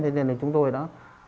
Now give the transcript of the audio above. thế nên là chúng tôi đã